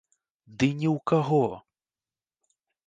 Ды ні ў каго!